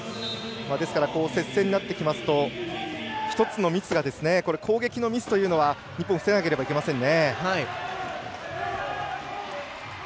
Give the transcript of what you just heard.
ですから接戦になってきますと１つのミスが攻撃のミスというのは日本防がなければなりませんね。